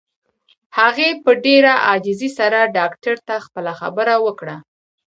هغې په ډېره عاجزۍ سره ډاکټر ته خپله خبره وکړه.